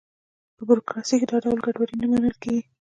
په بروکراسي کې دا ډول ګډوډي نه منل کېږي.